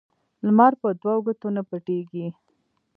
لمر په دو ګوتو نه پټېږي